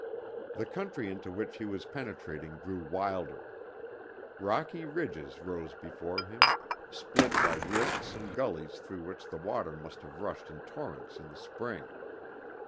The country into which he was penetrating grew wilder. Rocky ridges rose before him, split by rifts and gullies through which the water must have rushed in torrents in the spring.